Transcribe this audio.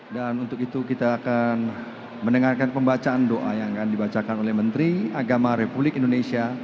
dan untuk itu kita akan mendengarkan pembacaan doa yang akan dibacakan oleh menteri agama republik indonesia